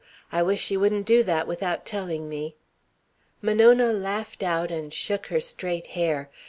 "I wish she wouldn't do that without telling me." Monona laughed out and shook her straight hair.